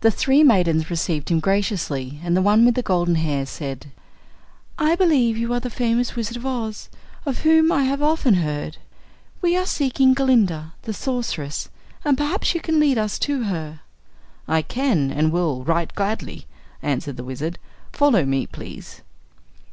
The three maidens received him graciously and the one with the golden hair said: "I believe you are the famous Wizard of Oz, of whom I have often heard. We are seeking Glinda, the Sorceress, and perhaps you can lead us to her." "I can, and will, right gladly," answered the Wizard. "Follow me, please."